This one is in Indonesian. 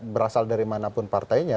berasal dari manapun partainya